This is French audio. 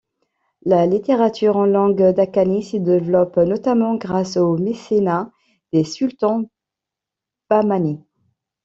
La littérature en langue dakhani se développe, notamment grâce au mécénat des sultans bahmanî.